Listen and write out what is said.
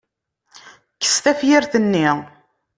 Kkes tafyirt-nni.